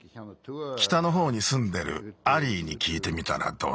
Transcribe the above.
きたのほうにすんでるアリーにきいてみたらどうだ？